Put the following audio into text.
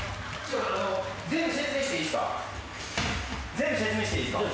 全部説明していいですか？